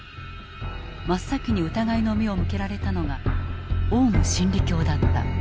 真っ先に疑いの目を向けられたのがオウム真理教だった。